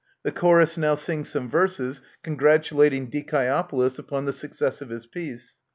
The Chorus now sing some verses congratulating Dicasopolis upon the success of his peace.